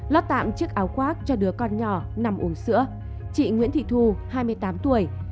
lót tạm chiếc áo khoác cho đứa con nhỏ nằm uống sữa chị nguyễn thị thu hai mươi tám tuổi